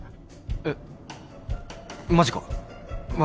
えっマジか悪ぃ。